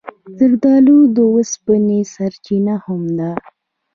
زردالو د اوسپنې سرچینه هم ده.